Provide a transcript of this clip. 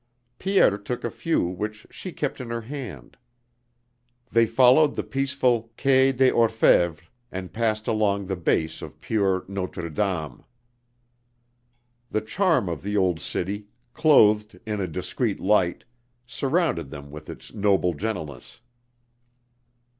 Pierre took a few which she kept in her hand. They followed the peaceful Quai des Orfèvres and passed along the base of pure Notre Dame. The charm of the Old City, clothed in a discreet light, surrounded them with its noble gentleness.